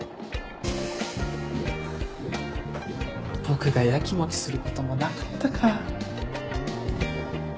僕がヤキモキすることもなかったか。